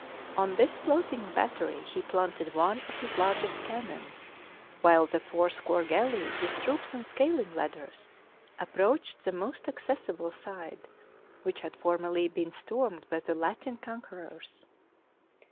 On this floating battery he planted one of his largest cannon, while the fourscore galleys, with troops and scaling ladders, approached the most accessible side, which had formerly been stormed by the Latin conquerors.